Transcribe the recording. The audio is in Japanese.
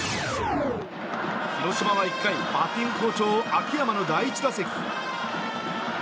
広島は１回、バッティング好調秋山の第１打席。